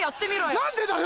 何でだよ！